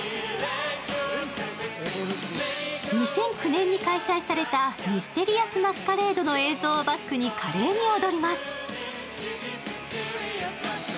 ２００９年に開催されたミステリアス・マスカレードの映像をバックに華麗に踊ります。